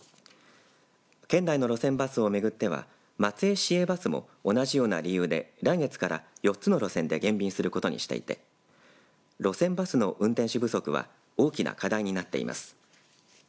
県内の路線バスを巡っては松江市営バスも同じような理由で来月から４つの路線で減便することにしていて路線バスの運転手不足は大きな課題になっています。